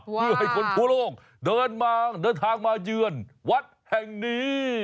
อยู่ให้คนทั่วโลกเดินทางมาเยื่อนวัดแห่งนี้